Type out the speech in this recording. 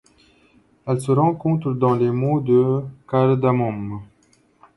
Elle se rencontre dans les monts des Cardamomes.